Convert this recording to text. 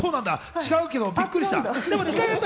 違うけどびっくりした。